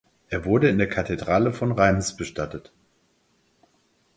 Er wurde in der Kathedrale von Reims bestattet.